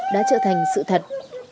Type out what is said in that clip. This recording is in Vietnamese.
đã trở thành sự thật